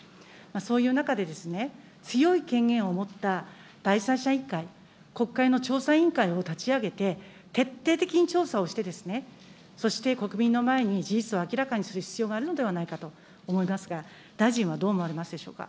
そういう中で、強い権限を持った第三者委員会、国会の調査委員会を立ち上げて、徹底的に調査をして、そして、国民の前に事実を明らかにする必要があるのではないかと思いますが、大臣はどう思われますでしょうか。